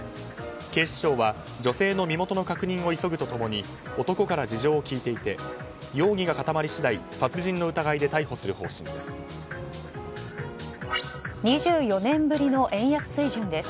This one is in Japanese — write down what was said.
警視庁は女性の身元の確認を急ぐと共に男から事情を聴いていて容疑が固まり次第殺人の疑いで逮捕する方針です。